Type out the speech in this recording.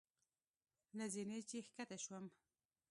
له زینې چې ښکته شوم.